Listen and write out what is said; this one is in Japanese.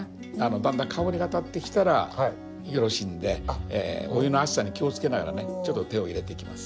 だんだん香りがたってきたらよろしいんでお湯の熱さに気をつけながらね手を入れていきます。